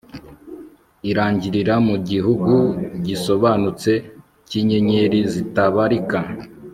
Irangirira mu gihugu gisobanutse cyinyenyeri zitabarika